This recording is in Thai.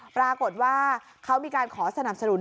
ปรากฏว่าเขามีการขอสนับสนุน